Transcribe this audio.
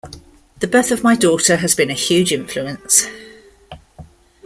The birth of my daughter has been a huge influence.